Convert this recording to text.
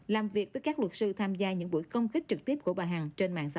làm việc với các luật sư tham gia những buổi công kích trực tiếp của bà hằng trên mạng xã hội